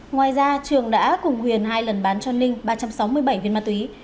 ngoài ra trường đã cùng huyền hai lần bán cho ninh ba trăm sáu mươi bảy viên ma túy